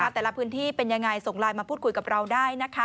แต่ละพื้นที่เป็นยังไงส่งไลน์มาพูดคุยกับเราได้